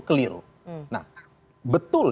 keliru nah betul